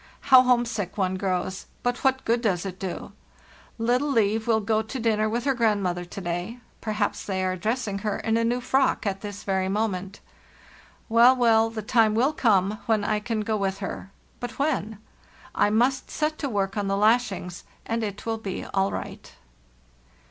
How homesick one grows; but what good does it do? Little Liv will go to dinner with her grandmother to day—perhaps they are dressing her in a new frock at this very moment! Well, well, the time will come when I can go with her; but when? [ must set to work on the lashings, and it will be all nght."